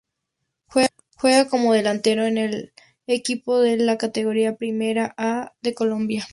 Juega como delantero en La Equidad de la Categoría Primera A de Colombia.